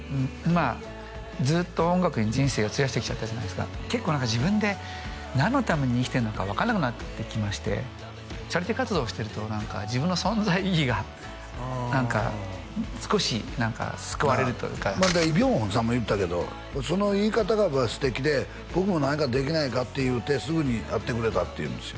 ずっと音楽に人生を費やしてきちゃったじゃないですか結構何か自分で何のために生きてるのか分からなくなってきましてチャリティー活動をしてると自分の存在意義が何か少し救われるというかイ・ビョンホンさんも言ってたけどその言い方が素敵で僕も何かできないかって言うてすぐにやってくれたって言うんですよ